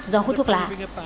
do hút thuốc lá